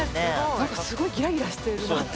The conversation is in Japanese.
なんかすごいギラギラしているなって。